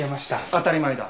当たり前だ。